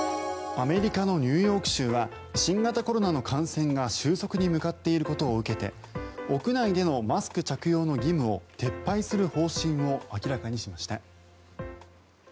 アメリカのニューヨーク州は新型コロナの感染が収束に向かっていることを受けて屋内でのマスク着用の義務を撤廃する方針を明らかにしました。